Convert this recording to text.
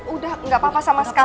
udah gak apa apa sama sekali